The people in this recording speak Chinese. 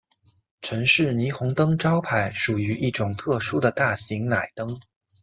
城市霓虹灯招牌属于一种特殊的大型氖灯。